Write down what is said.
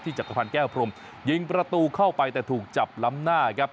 จักรพันธ์แก้วพรมยิงประตูเข้าไปแต่ถูกจับล้ำหน้าครับ